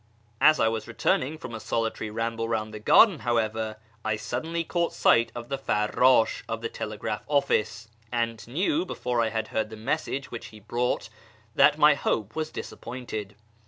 As I was returning from a solitary ramble round the garden, how ever, I suddenly caught sight of the fccjTdsh of the telegraph office, and knew, before I had heard the message which he brought, that my hope was disappointed.